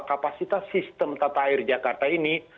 kapasitas sistem tata air jakarta ini